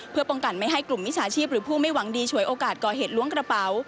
เพื่อป้องกันไม่ให้กลุ่มมิจฉาชีพหรือผู้ไม่หวังดีฉวยโอกาสก่อเหตุล้วงกระเป๋า